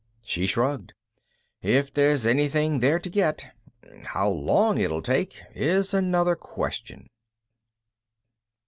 She shrugged. "If there's anything there to get. How long it'll take is another question."